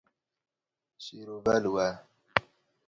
Şîrove li we.